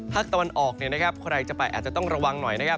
ภาคตะวันออกใครจะไปอาจจะต้องระวังหน่อยนะครับ